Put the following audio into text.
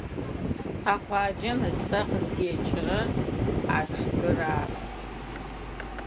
А къуаджэм ыцӏэ къызтекӏыгъэр а чъыгыр ары.